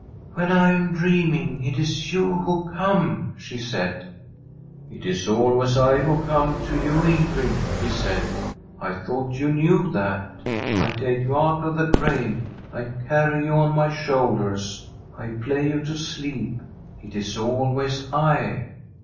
' When I am dreaming it is you who come,' she said. * It is always I who come to you, Ingrid,' he said. * I thought you knew that. I take you out of the grave; I carry you on my shoulders; I play you to sleep. It is always I.'